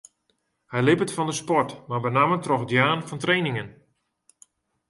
Hy libbet fan de sport, mar benammen troch it jaan fan trainingen.